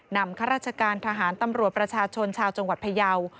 ข้าราชการทหารตำรวจประชาชนชาวจังหวัดพยาว